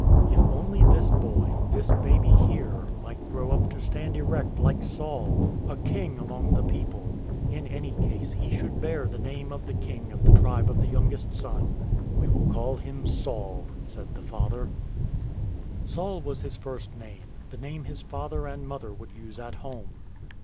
If only this boy, this baby here, might grow up to stand erect like Saul, a king among the people! In any case he should bear the name of the king of the Tribe of the Youngest Son. " We will call him ' Saul,' " said the father. 25 26 IN TRAINING Saul was his first name, the name his father and mother would use at home.